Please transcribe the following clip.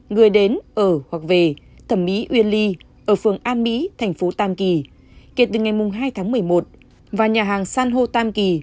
người đến ở hoặc về thẩm mỹ uyên ly ở phường an mỹ thành phố tam kỳ kể từ ngày hai tháng một mươi một và nhà hàng san hô tam kỳ